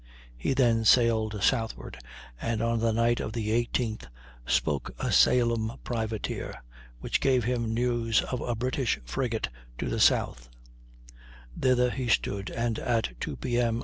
He then sailed southward, and on the night of the 18th spoke a Salem privateer which gave him news of a British frigate to the south; thither he stood, and at 2 P. M.